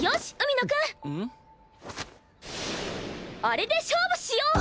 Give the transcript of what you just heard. あれで勝負しよう！